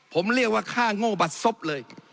ผมเรียกว่าค่าโง่บัดศพเลย